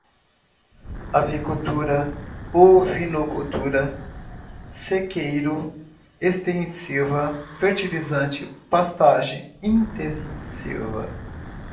avicultura, ovinocultura, sequeiro, extensiva, fertilizante, pastagem, intensiva